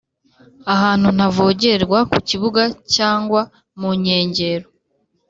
ahantu ntavogerwa ku kibuga cyangwa mu nkengero